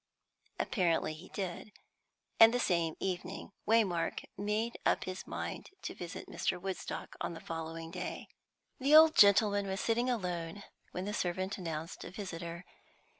Apparently he did. And the same evening Waymark made up his mind to visit Mr. Woodstock on the following day. The old gentleman was sitting alone when the servant announced a visitor.